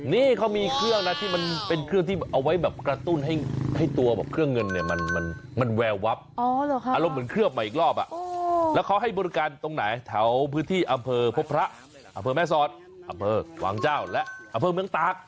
นี่เขามีเครื่องนะที่มันเป็นเครื่องที่เอาไว้